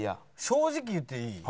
正直言っていい？